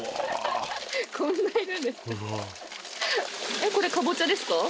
こんないるんですか。